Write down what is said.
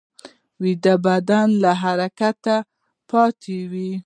ویده بدن له حرکته پاتې وي